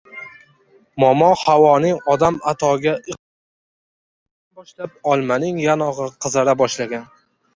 Momo Havoning Odam Atoga iqrorini eshitgandan boshlab olmaning yonog‘i qizara boshlagan.